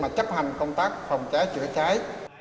việc chấp hành công tác phòng cháy chữa cháy